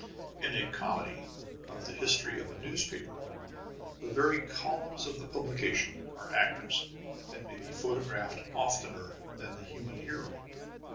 In a comedy of the history of a newspaper, the very columns of the publication are actors, and may be photographed oftener than the human hero.